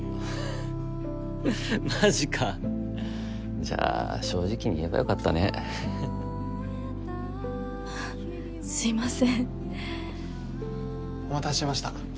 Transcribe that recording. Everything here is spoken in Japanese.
マジかじゃあ正直に言えばよかったねすいませんお待たせしました